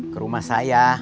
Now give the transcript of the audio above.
ke rumah saya